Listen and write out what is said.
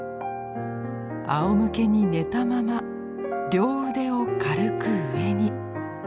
あおむけに寝たまま両腕を軽く上に。